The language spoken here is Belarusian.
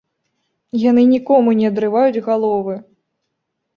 Яны нікому не адрываюць галовы!